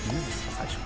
最初。